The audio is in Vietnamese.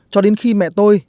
cho đến khi mẹ tôi